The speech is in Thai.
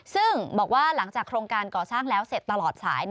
ซึ่งบอกว่าหลังจากโครงการก่อสร้างแล้วเสร็จตลอดสาย